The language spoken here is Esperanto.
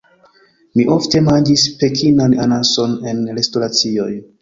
Mi ofte manĝis Pekinan Anason en restoracioj.